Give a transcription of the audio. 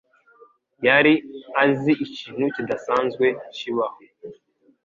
yari azi ikintu kidasanzwe kibaho.